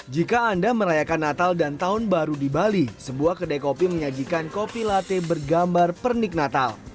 jika anda merayakan natal dan tahun baru di bali sebuah kedai kopi menyajikan kopi latte bergambar pernik natal